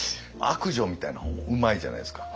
悪女みたいな方もうまいじゃないですか。